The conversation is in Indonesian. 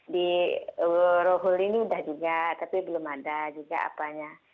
di worohol ini sudah juga tapi belum ada juga apanya